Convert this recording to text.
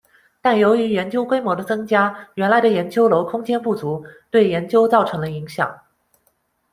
但由于研究规模的增加，原来的研究楼空间不足，对研究造成了影响。